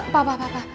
pak pak pak